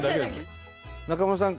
中村さん。